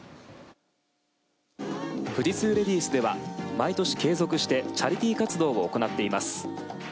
富士通レディースでは毎年継続してチャリティー活動を行っています。